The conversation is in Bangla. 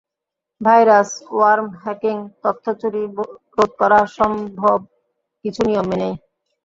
ভাইরাস, ওয়ার্ম, হ্যাকিং, তথ্য চুরি রোধ করা সম্ভব কিছু নিয়ম মেনেই।